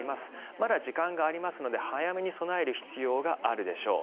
まだ時間がありますので早めに備える必要があるでしょう。